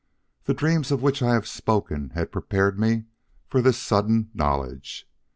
The dreams of which I have spoken had prepared me for this sudden knowledge.